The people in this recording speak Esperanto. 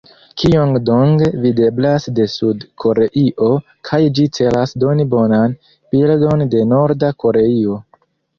Kijong-dong videblas de Sud-Koreio kaj ĝi celas doni bonan bildon de Norda Koreio.